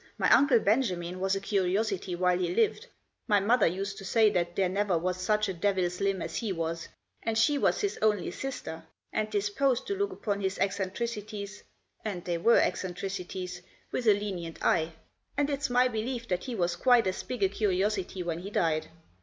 My Uncle Benjamin was a curiosity while he lived — my mother used to say that there never was such a devil's limb as he was, and she was his only sister, and disposed to look upon his eccentricities — and they were eccentricities — with a lenient eye ; and it's my belief that he was quite as big a curiosity when he died.